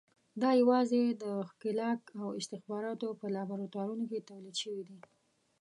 دا یوازې د ښکېلاک او استخباراتو په لابراتوارونو کې تولید شوي دي.